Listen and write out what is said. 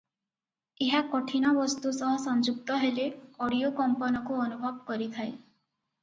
ଏହା କଠିନ ବସ୍ତୁ ସହ ସଂଯୁକ୍ତ ହେଲେ ଅଡିଓ କମ୍ପନକୁ ଅନୁଭବ କରିଥାଏ ।